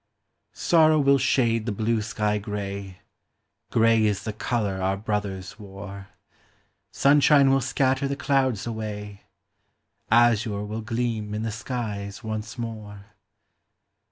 Sorrow will shade the blue sky gray— Gray is the color our brothers wore ; Sunshine will scatter the clouds away ; Azure will gleam in the skies once more.